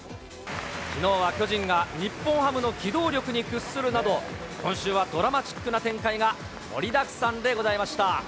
きのうは巨人が日本ハムの機動力に屈するなど、今週はドラマチックな展開が盛りだくさんでございました。